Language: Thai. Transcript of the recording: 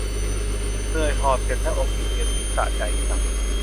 เหนื่อยหอบ เจ็บหน้าอก วิงเวียนศีรษะ ใจสั่น